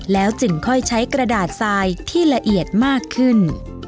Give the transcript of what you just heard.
แล้วจึงค่อยใช้กระดาษทรายที่ละเอียดมากขึ้น